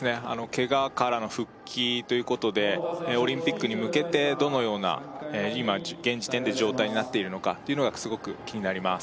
ケガからの復帰ということでオリンピックに向けてどのような今現時点で状態になっているのかというのがすごく気になります